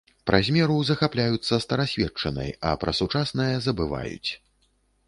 Праз меру захапляюцца старасветчынай, а пра сучаснае забываюць.